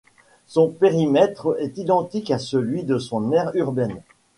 Son périmètre est identique à celui de son aire urbaine.